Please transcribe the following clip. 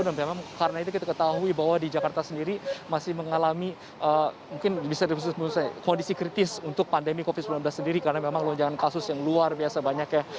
memang karena itu kita ketahui bahwa di jakarta sendiri masih mengalami mungkin bisa kondisi kritis untuk pandemi covid sembilan belas sendiri karena memang lonjakan kasus yang luar biasa banyak ya